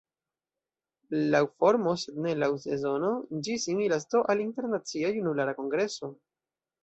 Laŭ formo, sed ne laŭ sezono, ĝi similas do al Internacia Junulara Kongreso.